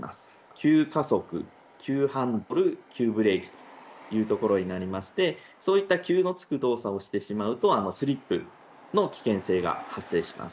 急加速、急ハンドル、急ブレーキというところになりまして、そういった急のつく動作をしてしまうと、スリップの危険性が発生します。